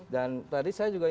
dan tadi saya juga